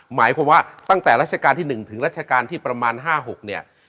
หมายความว่าตั้งแต่รัชกาลที่๑ถึงรัชกาลที่ประมาณ๕๖เนี่ย